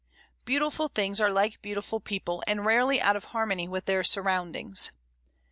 Beautiful things are like beautiful people, and rarely out of harmony with their surroundings.